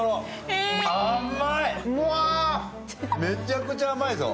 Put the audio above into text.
めちゃくちゃ甘いぞ。